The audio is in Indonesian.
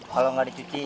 kalau nggak dicuci